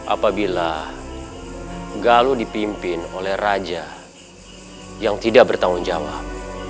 apabila galu dipimpin oleh raja yang tidak bertanggung jawab